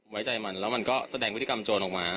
ไว้ใจมันแล้วมันก็แสดงพฤติกรรมโจรออกมา